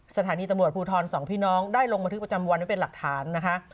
สถานีตำรวจภูทรสองพี่น้องได้ลงบันทึกประจำวันไว้เป็นหลักฐานนะคะ